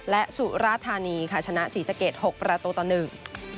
และสุราธานีชนะศรีสะเกด๖ประตูต่อ๑